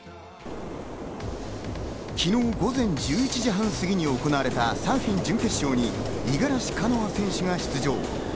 昨日、午前１１時半過ぎに行われたサーフィン準決勝に五十嵐カノア選手が出場。